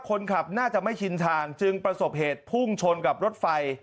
คนขับน่าจะไม่ชินทางจึงประสบเหตุพุ่งชนกับรถไฟ